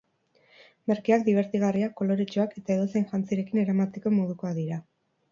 Merkeak, dibertigarriak, koloretsuak eta edozein jantzirekin eramateko modukoak dira.